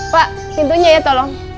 pak pintunya ya tolong